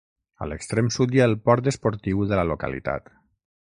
A l'extrem sud hi ha el port esportiu de la localitat.